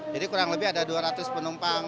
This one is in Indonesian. jadi kurang lebih ada penumpang di sekitar empat gerbong